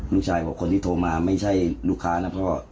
ลูกชายบอกคนที่โทรมาไม่ใช่ลูกค้านะพ่อ